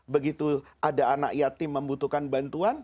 begitu ada anak yatim membutuhkan bantuan